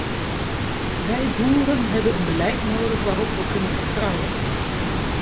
Wij boeren hebben een beleid nodig waarop we kunnen vertrouwen.